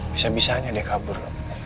bisa bisanya dia kabur